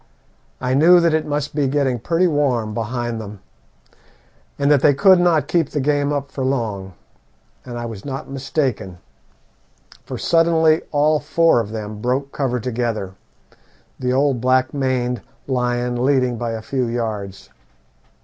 I knew that it must be getting pretty warm behind them, and that they could not keep the game up for long; and I was not mistaken, for suddenly all four of them broke cover together, the old black maned lion leading by a few yards.